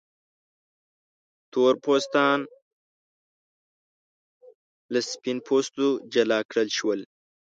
تور پوستان له سپین پوستو جلا کړل شول.